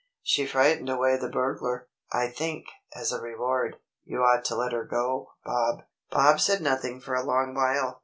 "She frightened away the burglar. I think, as a reward, you ought to let her go, Bob." Bob said nothing for a long while.